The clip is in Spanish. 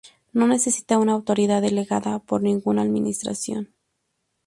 No necesita una autoridad delegada por ninguna administración.